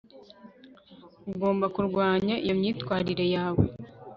Ugomba kurwanya iyo myitwarire yawe